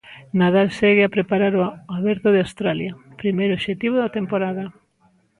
Nadal segue a preparar o Aberto de Australia, primeiro obxectivo da temporada.